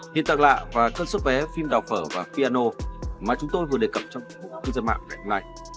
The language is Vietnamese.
hiện tạng lạ và cân xuất vé phim đào phở và piano mà chúng tôi vừa đề cập trong một bộ phim dân mạng ngày hôm nay